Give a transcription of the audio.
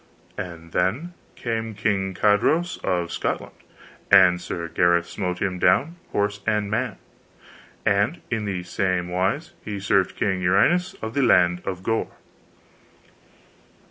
And then came King Carados of Scotland, and Sir Gareth smote him down horse and man. And in the same wise he served King Uriens of the land of Gore.